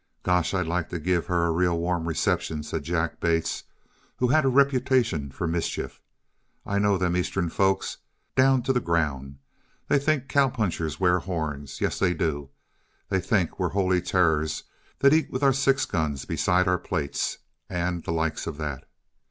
"Gosh, I'd like to give her a real warm reception," said Jack Bates, who had a reputation for mischief. "I know them Eastern folks, down t' the ground. They think cow punchers wear horns. Yes, they do. They think we're holy terrors that eat with our six guns beside our plates and the like of that.